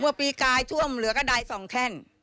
เมื่อปีกายท่วมเหลือก็ได้๒แค่น